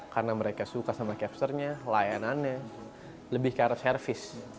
karena mereka suka sama capture nya layanannya lebih karena service